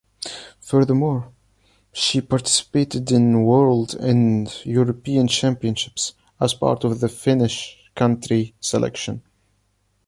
Furthermore, she participated in World- and European Championships as part of the finish country selection.